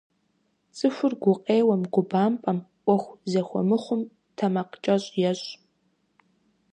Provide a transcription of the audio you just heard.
Цӏыхур гукъеуэм, губампӏэм, ӏуэху зэхуэмыхъум тэмакъкӏэщӏ ещӏ.